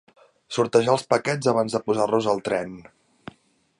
Sortejar els paquets abans de posar-los al tren.